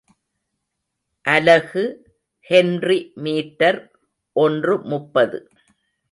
அலகு henry metre ஒன்று முப்பது.